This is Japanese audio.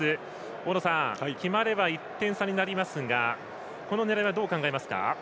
大野さん、決まれば１点差になりますがこの狙いはどう考えますか？